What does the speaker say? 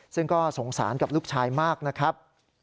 ซึ่งก็สงสารกับลูกชายมากนะครับ